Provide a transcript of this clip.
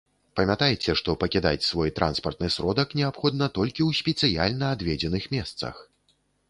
Памятайце, што пакідаць свой транспартны сродак неабходна толькі ў спецыяльна адведзеных месцах.